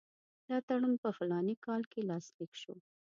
دا تړون په فلاني کال کې لاسلیک شو.